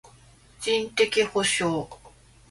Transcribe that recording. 人的補償